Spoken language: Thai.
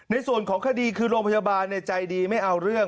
ในส่วนของคดีคือโรงพยาบาลใจดีไม่เอาเรื่อง